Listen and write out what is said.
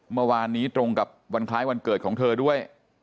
เมื่อวานนี้ตรงกับวันคล้ายวันเกิดของเธอด้วย